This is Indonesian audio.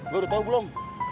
lo udah tau belum